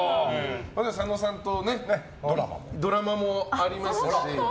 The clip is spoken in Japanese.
私は佐野さんとドラマもありますし。